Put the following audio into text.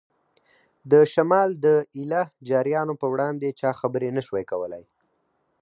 د شمال د ایله جاریانو په وړاندې چا خبرې نه شوای کولای.